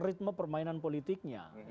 ritme permainan politiknya